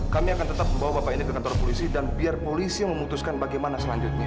kami akan tetap membawa bapak ini ke kantor polisi dan biar polisi memutuskan bagaimana selanjutnya